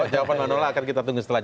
jawaban manola akan kita tunggu setelah ini